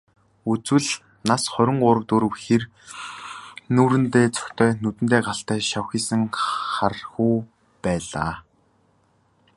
Үзвэл, нас хорин гурав дөрөв хэр, нүүрэндээ цогтой, нүдэндээ галтай, шавхийсэн хархүү байлаа.